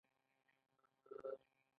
کندز سیند د افغانستان د زرغونتیا نښه ده.